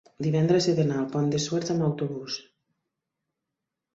divendres he d'anar al Pont de Suert amb autobús.